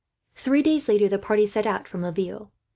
Three days later, the party set out from Laville.